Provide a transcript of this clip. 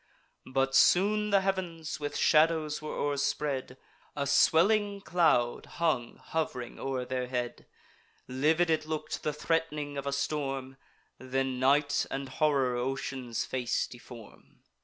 But soon the heav'ns with shadows were o'erspread; A swelling cloud hung hov'ring o'er their head: Livid it look'd, the threat'ning of a storm: Then night and horror ocean's face deform.